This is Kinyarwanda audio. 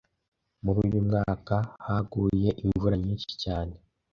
Muri uyu mwaka haguye imvura nyinshi cyane